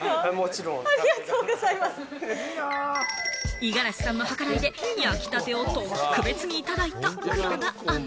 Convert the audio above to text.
五十嵐さんのはからいで焼きたてを特別にいただいた黒田アナ。